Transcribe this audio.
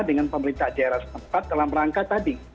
dengan pemerintah daerah setempat dalam rangka tadi